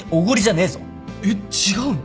えっ違うの？